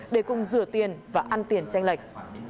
để cùng rửa tiền và ăn tiền tranh lệch